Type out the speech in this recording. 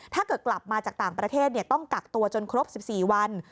ถ้าเกิดกลับมาจากต่างประเทศต้องกักตัวจนครบ๑๔วัน